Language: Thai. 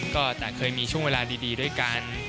ก็ต่างเคยมีช่วงเวลาดีด้วยกัน